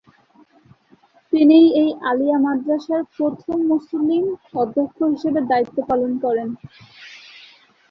তিনিই এই আলিয়া মাদ্রাসার প্রথম মুসলিম অধ্যক্ষ হিসাবে দায়িত্ব পালন করেন।